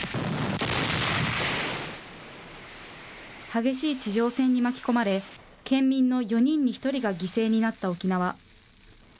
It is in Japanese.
激しい地上戦に巻き込まれ、県民の４人に１人が犠牲になった沖縄。